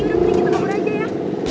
udah kering kita kabur aja ya